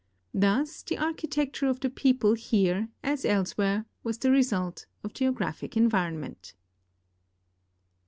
Thus the architecture of the people here as elsewhere was the result of geographic environment.